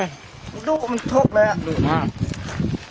เมื่อคืนตอนจับมันยิ่งงานานี้เลย